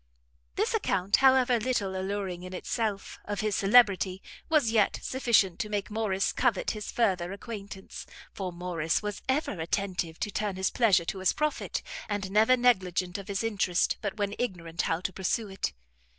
This account, however little alluring in itself, of his celebrity, was yet sufficient to make Morrice covet his further acquaintance; for Morrice was ever attentive to turn his pleasure to his profit, and never negligent of his interest, but when ignorant how to pursue it.